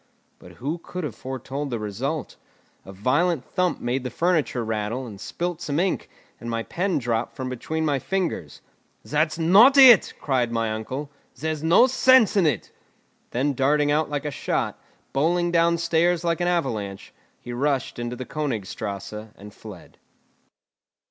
But who could have foretold the result? A violent thump made the furniture rattle, and spilt some ink, and my pen dropped from between my fingers. "That's not it," cried my uncle, "there's no sense in it." Then darting out like a shot, bowling down stairs like an avalanche, he rushed into the Königstrasse and fled.